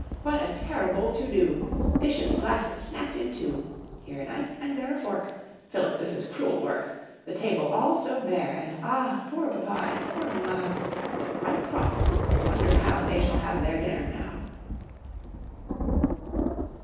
What a terrible to do! Dishes, glasses, snapt in two! Here a knife, and there a fork! Philip, this is cruel work. Table all so bare, and ah! Poor Papa, and poor Mamma Look quite cross, and wonder how They shall have their dinner now.